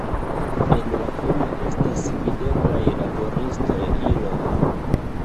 En la fono estas videblaj laboristaj iloj.